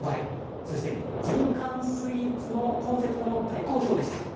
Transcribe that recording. そして循環スイーツのコンセプトも大好評でした。